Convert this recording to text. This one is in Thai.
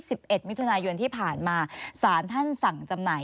เอ็ดมิถุนายนที่ผ่านมาสารท่านสั่งจำหน่าย